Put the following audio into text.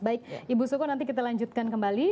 baik ibu suko nanti kita lanjutkan kembali